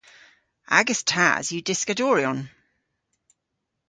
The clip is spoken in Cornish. Agas tas yw dyskadoryon.